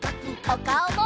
おかおも！